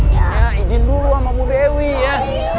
ya izin dulu sama mubewi ya